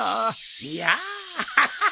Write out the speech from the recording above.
いやアハハハハ。